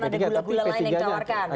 ada gula gula lain yang ditawarkan